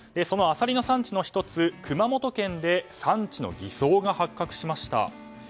そのアサリの産地の１つ熊本県で産地偽装が発覚しました。